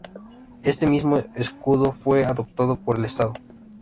Este mismo escudo fue adoptado por el estado.